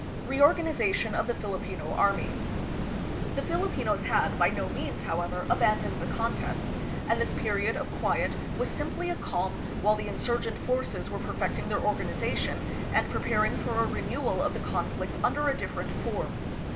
Reorganization of the Filipino Army. The Filipinos had, by no means, however, abandoned the contest, and this period of quiet was simply a calm while the insur gent forces were perfecting their organization and prepar ing for a renewal of the conflict under a different form.